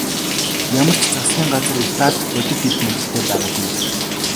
Ямар ч засгийн газар Италид бодит эрх мэдэлтэй байгаагүй.